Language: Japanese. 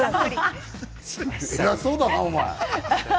偉そうだな、お前。